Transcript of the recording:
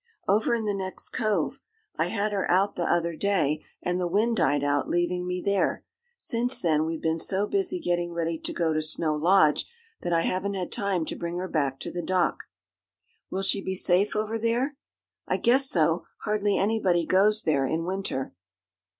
"Over in the next cove. I had her out the other day, and the wind died out, leaving me there. Since then we've been so busy getting ready to go to Snow Lodge that I haven't had time to bring her back to the dock." "Will she be safe over there?" "I guess so hardly anybody goes there in winter."